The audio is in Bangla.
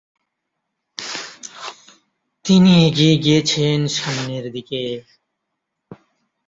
তিনি এগিয়ে গিয়েছেন সামনের দিকে।